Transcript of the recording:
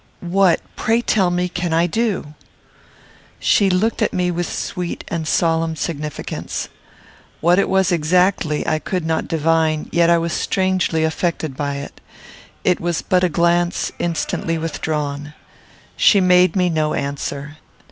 What pray tell me, what can I do?" She looked at me with sweet and solemn significance. What it was exactly I could not divine, yet I was strangely affected by it. It was but a glance, instantly withdrawn. She made me no answer.